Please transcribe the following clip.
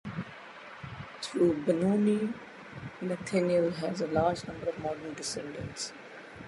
Through Benoni, Nathaniel has a large number of modern descendants.